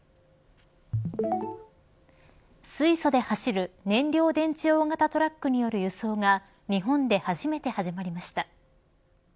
水素で走る燃料電池大型トラックによる輸送が日本で初めて始まりました。